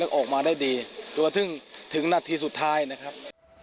แล้วก็ออกมาได้ดีที่กระทึงถึงนัดทีสุดท้ายนะครับ